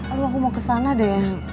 aduh aku mau ke sana deh